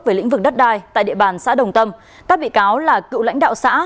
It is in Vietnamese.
về lĩnh vực đất đai tại địa bàn xã đồng tâm các bị cáo là cựu lãnh đạo xã